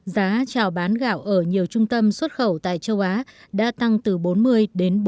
giá trào bán gạo ở nhiều trung tâm xuất khẩu tại châu á đã tăng từ bốn mươi đến bốn mươi